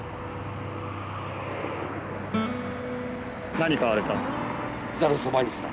何買われたんですか？